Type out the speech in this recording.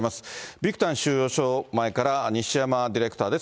ビクタン収容所前から西山ディレクターです。